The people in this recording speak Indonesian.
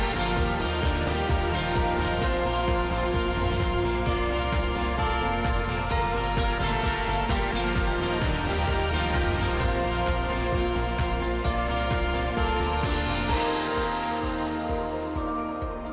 pemerintah harus memiliki kekuatan yang lebih baik